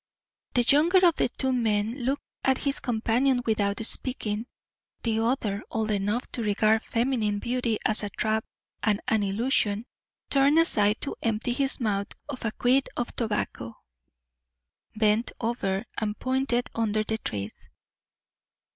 The younger of the two men looked at his companion without speaking. The other, old enough to regard feminine beauty as a trap and an illusion, turned aside to empty his mouth of a quid of tobacco, bent over, and pointed under the trees.